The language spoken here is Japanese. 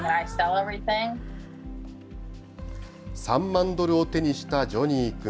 ３万ドルを手にしたジョニー君。